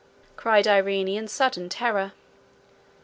cried Irene, in sudden terror.